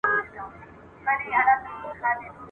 پېړۍ وروسته په یو قام کي پیدا زوی د کوه طور سي !.